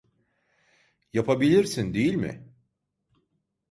Yapabilirsin, değil mi?